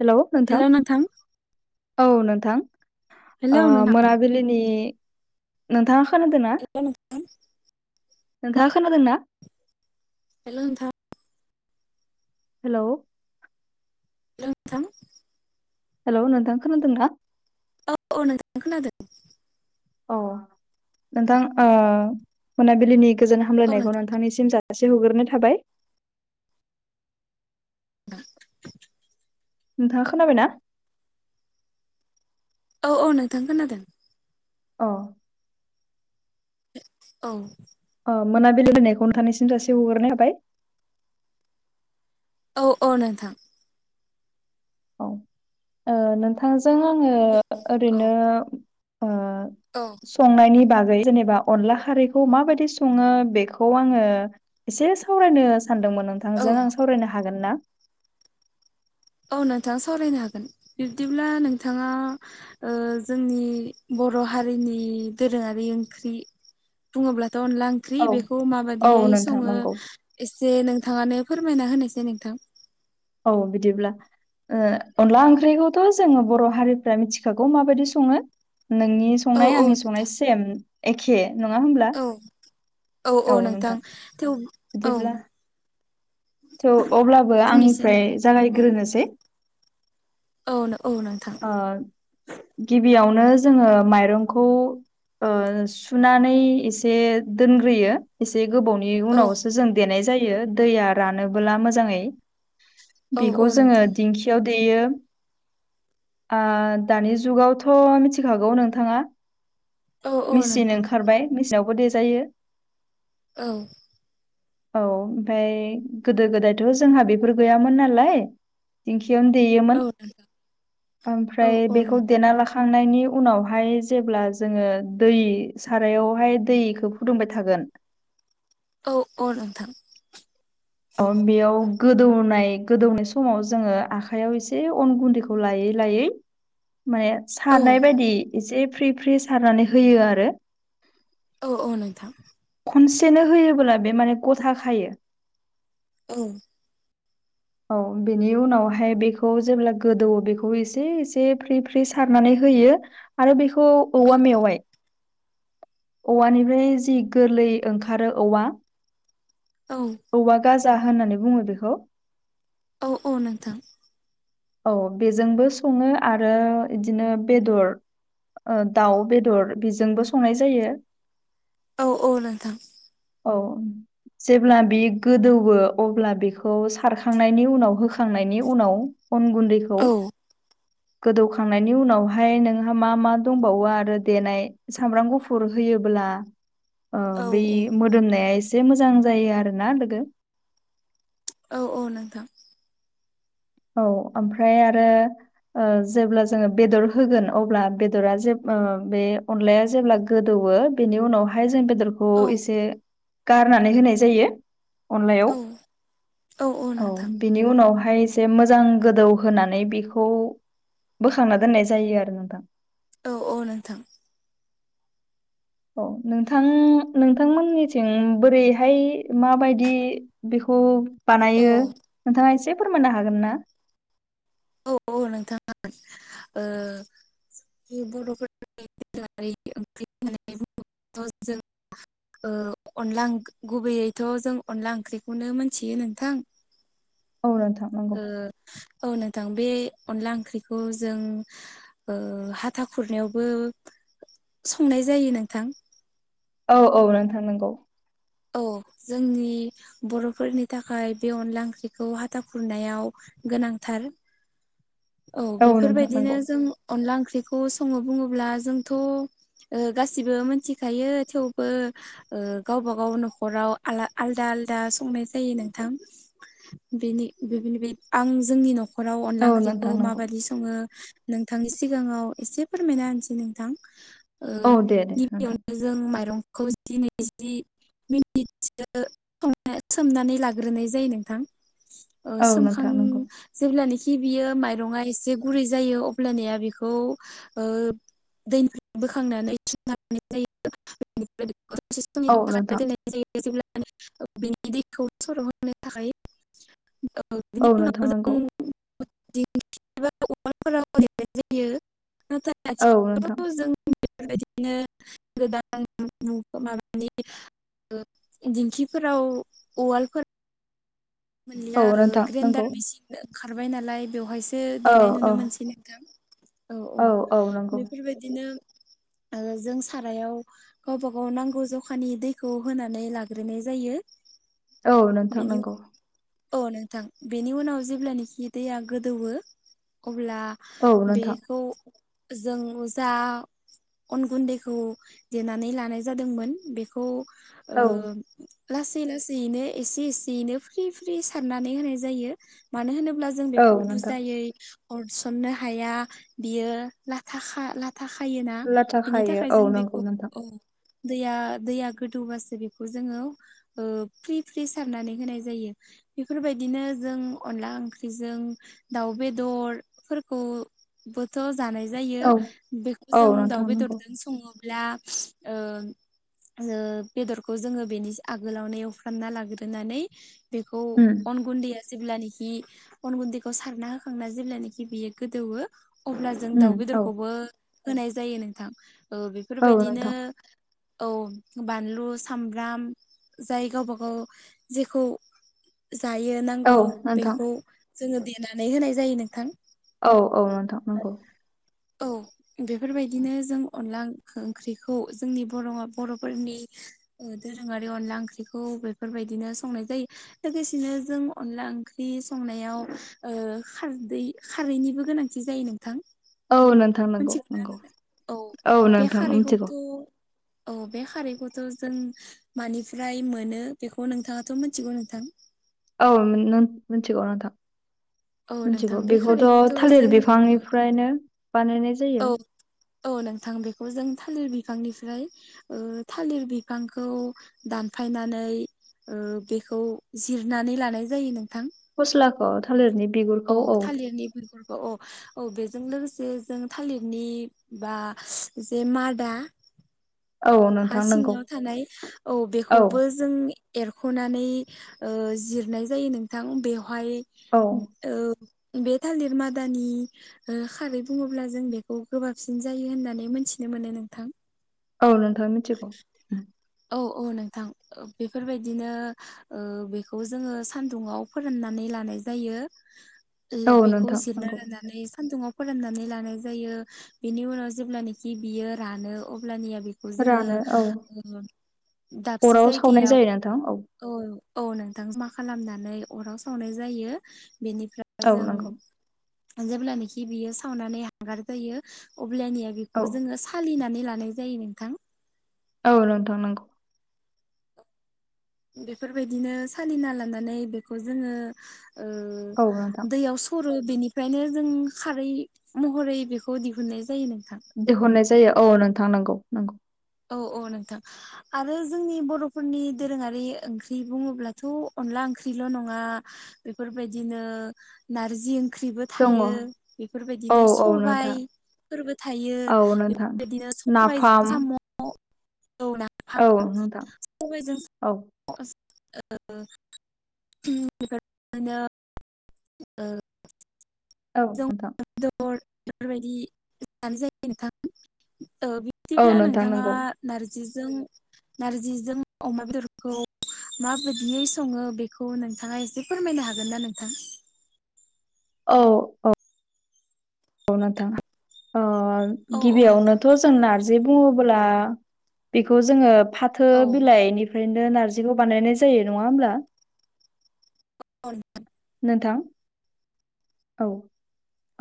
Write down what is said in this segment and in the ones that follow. हेल' नोंथां औ नोंथां हेलौ नोंथां मोना बिलिनि नोंथाङा खोनादोंना [unintelligible] नोंथाङा खोनादों ना हेल' नोंथा हेल' [unintelligible] हेल' नोंथां खोनादों ना औ औ नोंथां खोनादों अ नोंथां मोनाबिलिनि गोजोन औ हामलायनायखौ नोंथां नों ोंखांनिसिम जासे हग्रोनो थाबाय [unintelligible] नोंथाङा खोनाबायना औ औ नोंथां खोनादों अ औ अ मोनाबिलि होननायखौ नोंथानिसिम जासि हरग्रोनाय थाबाय औ औ नोंथां औ नोंथांजों आङो औ ओरैनो औ संनायनि बागै जेनेबा अनला खारैखौ माबायदि सङो बेखौ आङो एसे सावरायनो सानदोंमोन औ नोंथांजों आं सावरायनो हागोन ना औ नोंथां सावरायनो हागोन बिदिब्ला नोंथाङा ओ जोंनि बर' हारिनि दोरोङारि ओंख्रि बुङोब्लाथ' अनला ओं ओंख्रि औ बेखौ माबायदियै औ नोंथां सङो नंगौ एसे नोंथाङानो फोरमायना होनायसाय नोंथां औ बिदिब्ला ओ अनला ओंख्रिखौथ' जोङो बर' हारिफ्रा मिथिखागौ माबायदि सङो नोंनि औ संनाय औ आंनि नोंथां संनाय सेम एखे नङा होमब्ला औ औ औ नोंथां थेव औ बिदिब्ला थ' अब्लाबो बुंनोसै आंनिफ्राय नोंथां औ जागायग्रोनोसै औ नो औ नोंथां ओ गिबियावनो जोङो माइरंखौ ओ सुनानै एसे दोनग्रोयो एसे गोबावनि औ उनावसो जों देनाय जायो दैया रानोबोला मोजांङै औ औ बेखौ जोंङो नोंथां दिंखि याव देयो ओ दानि जुगावथ' मिथिखागौ नोंथाङा औ औ मेचिन नोंथां ओंखारबाय मेचिनावबो देजायो औ औ ओमफ्राय गोदो गोदायथ' जोंहा बेफोर गैयामोन नालाय दिंखियावनो देयोमोन औ नोंथां औ ओमफ्राय औ बेखौ नोंथां देना लाख खांनायनि उनावहाय जेब्ला जोङो दै सारायावहाय दैखौ फुदुंबाय थागोन औ औ नोंथां अ बेयाव गोदौनाय गोदौनाय समाव जोङो आखाइयाव एसे अन गुन्दैखौ लायै लायै माने औ सारनाय बायदि एसे फ्रि फ्रि सारनानै होयो आरो औ औ नोंथां खनसेनो होयोबोब्ला बे माने गथ खायो औ। औ बेनि उनावहाय बेखौ जेब्ला गोदौवो बेखौ एसे एसे फ्रि फ्रि सारनानै होयो आरो बेखौ औ औवा मेवाय औवानिफ्राय जि गोरलै ओंखारो औवा औ औवा गाजा होननानै बुङो बेखौ औ औ नोंथां। औ बेजोंबो सङो आरो इदिनो बेदर ओ दाउ बेदर बेजोंबो संनाय जायो औ औ नोंथां। औ जेब्ला बे गोदौवो अब्ला बेखौ सारखांनायनि उनाव होख खांनायनि उनाव अन गुन्दैखौ औ गोदौखांनायनि उनावहाय नोंहा मा मा दंबावो आरो देनाय सामब्राम गुफुर होयोब्ला ओ औ बै मोदोमनाया एसे मोजां जायो आरोना लोगो औ औ नोंथां। औ ओमफ्राय आरो ओ जेब्ला जोङो बेदर होगोन अब्ला बेदरा जेब ओ बे अनलाया जेब्ला गोदौवो बेनि उनावहाय जों बेदरखौ औ एसे गारनानै होनाय जायो अनलायाव औ बिनि उनावहाय जे मोजां गोदौ होनानै बेखौ बोखांना दोननाय जायो आरो नोंथां औ औ नोंथां। औ नोंथां नोंथांमोननिथिं बोरैहाय माबायदि बेखौ बानायो औ नोंथाङा एसे फोरमाननो हागोन ना? औ औ नोंथांमोन ओ बर'फोर [unintelligible] ओ अनला ओं गुबैयैथ' जों अनला ओंख्रिखौनो मोनथियो नोंथां। औ नोंथां। नंगौ ओ औ नोंथां बे अनला ओंख्रिखौ जों ओ हाथा खुरनायावबो संनाय जायो नोंथां। औ औ नोंथां नंगौ। औ जोंनि बर'फोरनि थाखाय बे अनला ओंख्रिखौ हाथा खुरनायाव गोनांथार। औ नोंथां बेफोरबायदिनो नंगौ जों अनला ओंख्रिखौ सङो बुङोब्ला जोंथ' ओ गासिबो मोनथिखायो थेवबो ओ गावबा-गाव न'खराव आला आलादा-आलदा संनाय जायो नोंथां बेनि बेनि आं जोंनि न'खराव अनला औ ओंख्रि नोंथां नंगौ बिदि सङो नोंथांनि सिगाङाव एसे फोरमायना होनसै नोंथां। ओ‌ औ दे दे नोंथां गिबियावनो जों माइरंखौ जि नैजि मिनिटसो सोमनानै लाग्रोनाय जायो नोंथां। ओ औ सोमखां नोंथां नंगौ जेब्लानोखि बियो माइ रंआ एसे गुरै जायो अब्लानिया बेखौ ओ दैनिफ्राय बोखांनानै औ नोंथां [unintelligible] [unintelligible] औ नोंथां नंगौ। जों [unintelligible] नाथाय औ नोंथां आथिखालावथ' जों बेफोरबायदिनो गोदान [unintelligible] ओ दिंखिफोराव उवालफोराव मोनला औ ओ नोंथां नंगौ ग्रेडार मेसिन ओंखारबाय नालाय बेवहायसो औ देनाय नुनो औ मोनसै नोंथां। औ औ बेफोरबायदिनो ओ जों सारायाव गावबा-गाव नांगौ जखानि दैखौ होनानै लाग्रोनाय जायो। औ नोंथां बेनि नंगौ। औ नोंथां बेनि उनाव जेब्लानोखि दैया गोदौवो अब्ला औ नोंथां बेखौ जों जा अन गुन्दैखौ देनानै लानाय जादोंमोन बेखौ ओ औ लासै लासैनो एसे एसेयैनो फ्रि फ्रि सारनानै होनाय जायो मानो होनोब्ला जों औ बेखौ नोंथां बुजायै हरसननो हाया बियो लाथा खा ला- थाखायोना लाथा बिनि खायो थाखाय औ जों नंगौ बेखौ नोंथां औ दैया दैया गोदौबासो बेखौ जोङो ओ फ्रि-फ्रि सारनानै होनाय जायो। जायो बेफोरबायदिनो जों अनला ओंख्रिजों दाउ बेदर फोरखौ बोथ' जानाय जायो औ बेखौ औ जों दाउ नोंथां नंगौ बेदरजों सङोब्ला ओ ओ बेदरखौ जोङो बेनि आगोलावनो एवफ्रामना लाग्रोनानै बेखौ उम अन गुन्दै जेब्लानखि अन गुन्दैखौ सारना होखांना जेब्लानखि बियो गोदौवो अब्ला जों उम दाउ औ बेदरखौबो होनाय जायो नोंथां। ओ औ बेफोरबायदिनो नोंथां औ बानलु, सामब्राम जाय गावबा-गाव जेखौ जायो औ नांगौ नोंथां बेखौ जोङो देनानै होनाय जायो नोंथां। औ औ नोंथां नंगौ औ बेफोरबायदिनो जों अनला ओंख्रिखौ जोंनि बर' बर'फोरनि ओ दोरोङारि अनला ओंख्रिखौ बेफोरबायदिनो संनाय जायो। लोगोसेनो जों अनला ओंख्रि संनायाव ओ खारदै खारैनिबो गोनांथि जायो नोंथां औ नो मोनथिग [inaudible] औ बे नोंथां मिथिगौ खारैखौथ' औ बे खारैखौथ' जों मानिफ्राय मोनो बेखौ नोंथाङाथ' मिथिगौ नोंथां औ [unintelligible] मिथिगौ नोंथां औ नोंथां मिथिगौ बे बेखौथ' खारैखौथ' थालिर जों बिफांनिफ्रायनो बानायनाय जा औ-औ नोंथां बेखौ जों थालिर बिफांनिफ्राय ओ थालिर बिफांखौ दानफायनानै ओ बेखौ जिरनानै लानाय जायो नोंथां। फस्लाखौ थालिरनि बिगुरखौ औ इरनि बिगुर औ-औ-औ बेजों लोगोसे जों थालिरनि बा जे मादा औ हा नोंथां नंगौ सिङाव थानाय औ बेखौबो जोंनि एरख'नानै जिरनाय जायो नोंथां बेवहाय औ ओ बे थालिर मादानि ओ खारै बुङोब्ला जों बेखौ गोबाबसिन जायो होननानै मोनथिनो मोनो नोंथां। औ नोंथाङा मिथिगौ औ-औ नोंथां ओ बेफोरबायदिनो ओ बेखौ जोङो सानदुाव फोराननानै लानाय जायो। औ [unintelligible] बेखौ नोंथां जिरना नंगौ लानानै सानदुंङाव फोराननानै लानाय जायो बेनि उनाव जेब्लानाखि बियो रानो अब्लानिया बे खौ जोङो रानो औ [inaudible] दाबसे अराव सावनाय जायगायाव जायो नोंथां औ औ-औ नोंथां मा खालामनानै अराव सावनाय जायो बेनिफ्राय औ नंगौ जों जेब्लानाखि बियो सावनानै हांगार जायो अब्लानिया बे औ खौ जोङो सालिनानै लानाय जायो नोंथां। औ नोंथां नोंगौ। बेफोरबायदिनो सालिना लानानै बेखौ जोङो ओ औ नोंथां दैयाव स सरो बेनिफ्रायनो जों खारै महरै बेखौ दिहुननाय जायो नोंथां। दिहुननाय जायो औ नोंथां नंगौ-नंगौ। औ-औ नोंथां। आरो जोंनि बर'फोरनि दोरोङारि ओंख्रि बुङोब्लाथ' अनला ओंख्रिल' नङा बेफोरबायदिनो नारजि ओंख्रिबो दङ थायो औ बेफोरबायदिनो औ सबाय नोंथां फोरबो थायो औ नोंथां बेफोरबायदिनो नाफाम सबायजों साम' [inaudible] औ नोंथां सबाइजों औ [inaudible] ओ औ नोंथां। बेदर बेफोरबायदि जानाय जायो नोंथां ओ बि औ दिब्ला नोंथां नोंथाङा नंगौ नार्जिजों-नार्जिजों अमा बेदरखौ माबायदियै सङो बेखौ नोंथाङा एसे फोरमायनो हागोनना नोंथां। औ-औ। [inaudible] गौ नोंथां ओ औ औ नोंथां गिबियावनोथ' जों नार्जि बुङोब्ला बेखौ जोङो फाथो औ बिलायनि फ्रायनो नारजिखौ बानायनाय जायो नङा होमब्ला। [inaudible] नोंथां औ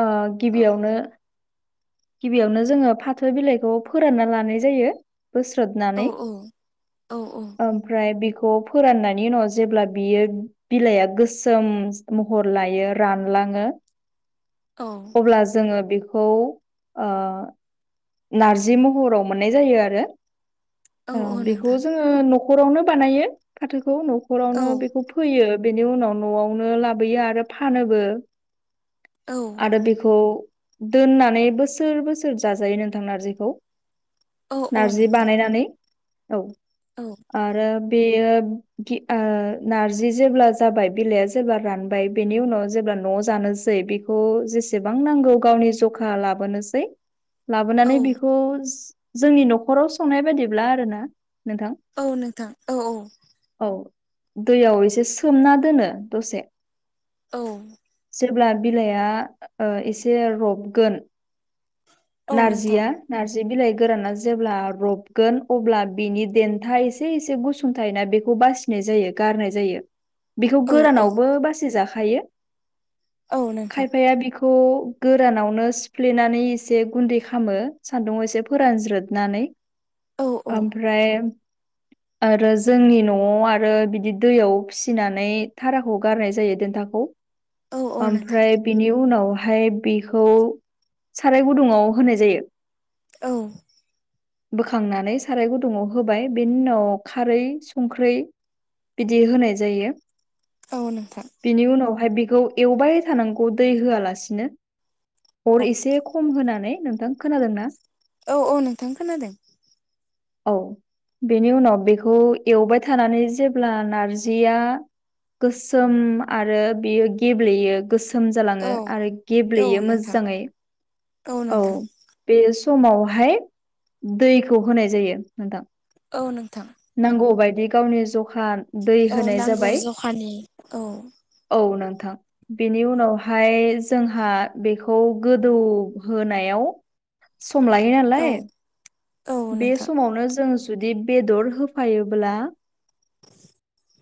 ओ औ गिबियावनो गिबियावनो जोङो फाथो बिलाइखौ फोरानना लानाय जायो औ बोस्रोदनानै। औ ओमफ्राय बिखौ फोराननायनि उनाव जेब्ला बियो बिलाया गोसोम महर लायो रानलाङो। औ अब्ला जोङो बेखौ ओ नारजि महराव मोननाय जायो आरो ओ औ बेखौ नोंथां जोङो न खरावनो बानायो फाथोखौ औ न'खरावनो बेखौ फोयो बेनि उनाव न'आवनो लाबोयो आरो फानोबो। औ आरो बेखौ दोननानै बोसोर बोसोर जाजायो नोंथां नारजिखौ। औ औ नोंथां। नानै औ। आरो बेयो गि ओ नारजि जेब्ला जाबाय बिलाइआ जेब्ला रानबाय बेनि उनाव जेब्ला न'आव जानोसै बेखौ जेसेबां नांगौ गावनि जखा लाबोनोसै। लाबोनानै औ बिखौ जोंनि न'खराव संनाय बायदिब्ला आरोना नोंथां। औ नोंथां औ औ। औ दैयाव एसे सोमना दोनो दसे औ। जेब्ला बिलाया ओ एसे रबगोन औ नोंथां नारजिया नारजि बिलाइ गोराना जेब्ला रबगोन अब्ला बिनि देन्था एसे एसे गुसु सुं थायोना बेखौ बासिनाय जायो गारनाय जायो। बेखौ औ औ गोरानावबो बासि जाखायो औ नोंथां खायफाया बेखौ खौ गोरानावनो सिफ्लेनानै एसे गुन्दै खामो सान्दुंआव एसे फोरानज्रोदनानै औ औ ओमफ्राय आरो जोंनि न'आव आरो बिदि दैयाव फिसिनानै थाराखौ गारनाय जायो देथाखौ औ नोंथां ओमफ्राय बिनि उनावहाय बेखौ साराय गुदुङाव होनाय जायो औ बोखांनानै साराय गुदुव होबाय बेनि उनाव खारै संख्रै बिदि होनाय जायो औ नोंथां बिनि उनावहाय बेखौ एवबाय थानांगौ दै होआलासिनो अर एसे खम होनानै नोंथां खोनादों ना? औ औ नोंथां खोनादों औ बेनि उनाव बेखौ एवबाय थानानै जेब्ला नारजिया गोसोम आरो बियो गेब्लेयो गोसोम औ जालाङो आरो औ गेब्लेयो नोंथां मोजाङै। औ बे समावहाय दैखौ होनाय जायो नोंथां औ नोंथां नांगौ बदि गावनि जखान औ नांगौ जखानि औ‌ औ नोंथां बेनि उनावहाय जोंहा बेखौ गोदौ होनायाव सम लायो औ नालाय औ बे नोंथां समावनो जों जुदि बेदर होफायोब्ला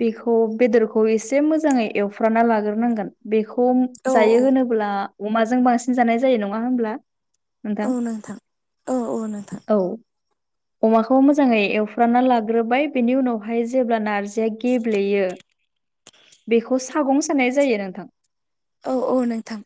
बेखौ बेदरखौ एसे मोजाङै एवफ्राना लाग्रोनांगोन बेखौ औ जायो होनोब्ला अमाजों बांसिन जानाय जायो नङा होनब्ला? औ नोंथां औ औ नोंथां। औ अमाखौ मोजाङै एवफ्रामना लाग्रोबाय बेनि उनावहाय जेब्ला नारजिया गेब्लेयो बेखौ सागं साननाय जायो नोंथां। औ औ नोंथां।